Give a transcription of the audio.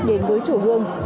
đến với chùa hương